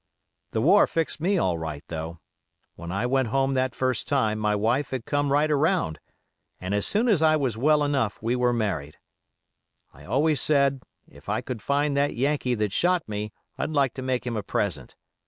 The war fixed me all right, though. When I went home that first time my wife had come right around, and as soon as I was well enough we were married. I always said if I could find that Yankee that shot me I'd like to make him a present.